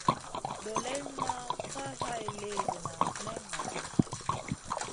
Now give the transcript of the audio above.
Doleyna ma ka hay léhdéna may ŋah ɗi.